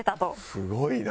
すごいな。